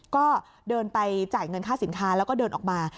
ก็เดินไปจ่ายเงินค่าสินค้าแล้วก็เดินออกมา